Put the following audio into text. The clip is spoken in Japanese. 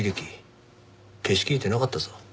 消しきれてなかったぞ。